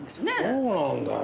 そうなんだよ。